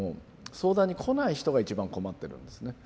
相談に来ない人が一番困ってるんですね。